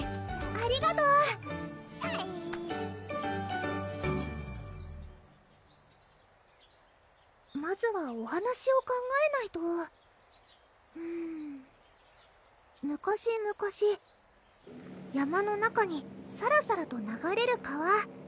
ありがとうまずはお話を考えないとうーん昔々山の中にさらさらと流れる川